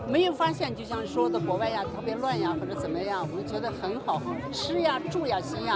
cerita rakyat yang melegenda inilah yang diyakini masyarakat sebagai asal muasal masuknya etnis tiongkok